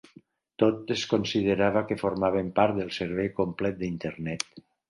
Tots es considerava que formaven part del servei complet d'Internet.